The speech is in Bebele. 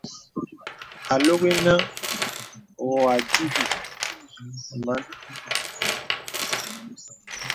Ālok inə və ódǐbī mān.